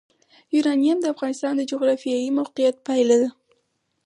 یورانیم د افغانستان د جغرافیایي موقیعت پایله ده.